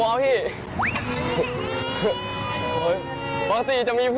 โอ้ขอบคุณมากพี่ผมกลัวมากเลย